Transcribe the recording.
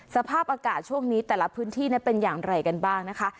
สภาพอากาศช่วงนี้แต่ละพื้นที่เป็นอย่างไรกันบ้างนะคะ